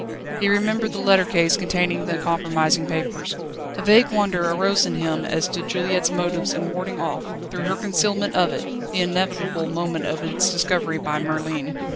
He remembered the letter case containing the compromising papers. A vague wonder arose in him as to Juliette's motives in warding off, through her concealment of it, the inevitable moment of its discovery by Merlin.